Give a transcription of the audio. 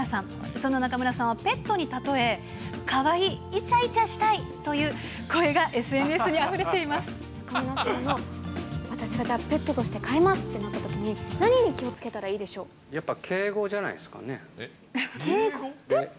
その中村さんをペットに例え、かわいい、いちゃいちゃしたいと中村さんを、私がじゃあ、ペットとして飼いますってなったときに、何に気をつけたらいいでやっぱ敬語じゃないですかね？